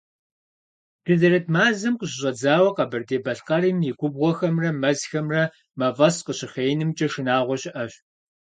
Дызэрыт мазэм къыщыщӀэдзауэ Къэбэрдей-Балъкъэрым и губгъуэхэмрэ мэзхэмрэ мафӀэс къыщыхъеинымкӀэ шынагъуэ щыӀэщ.